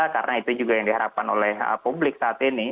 karena itu juga yang diharapkan oleh publik saat ini